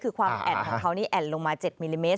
คือความแอ่นของเขานี่แอ่นลงมา๗มิลลิเมตร